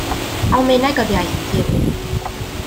Almaeneg oedd iaith y teulu.